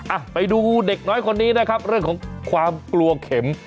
อ่ะไปดูเด็กน้อยคนนี้นะครับเรื่องของความกลัวเข็ม